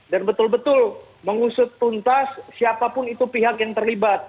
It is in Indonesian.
dan betul betul mengusut tuntas siapapun itu pihak yang terlibat